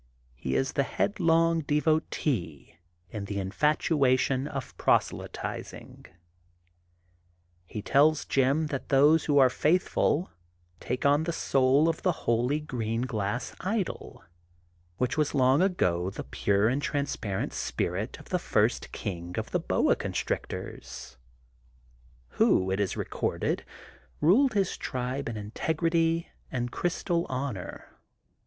He is the headlong devotee in the infatuation of proselyting. He tells Jim that those who are faithful take on the soul of the holy green glass idol, which was long ago the pure and transparent spirit of the first king of the boa constrictors, who, it is recorded, ruled his tribe in integrity and crystal honor.